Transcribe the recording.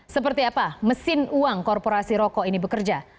seperti apa mesin uang korporasi rokok ini bekerja